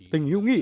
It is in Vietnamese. tình hữu nghị